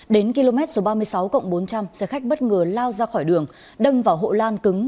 đến km số ba mươi sáu cộng bốn trăm linh xe khách bất ngờ lao ra khỏi đường đâm vào hộ lan cứng